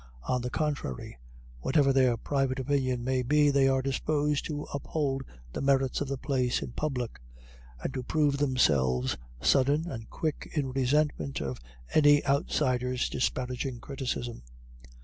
On the contrary, whatever their private opinion may be, they are disposed to uphold the merits of the place in public, and to prove themselves sudden and quick in resentment of any outsiders' disparaging criticism.